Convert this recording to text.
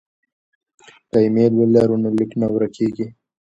که ایمیل ولرو نو لیک نه ورکيږي.